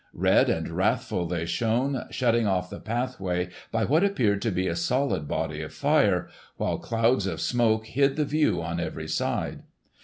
Red and wrathful they shone, shutting off the pathway by what appeared to be a solid body of fire, while clouds of smoke hid the view on every side.